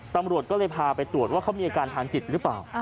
ตำรวจก็เลยพาไปตรวจว่าเขามีอาการทางจิตหรือเปล่า